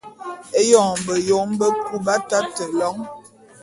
Éyoň beyom bekub b’atate lôň.